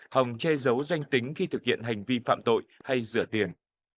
thòng che giấu danh tính khi thực hiện hành vi phạm tội hay rửa tiền